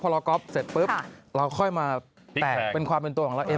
พอเราก๊อฟเสร็จปุ๊บเราค่อยมาแตกเป็นความเป็นตัวของเราเอง